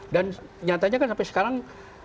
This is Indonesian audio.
dan nyatanya kan sampai sekarang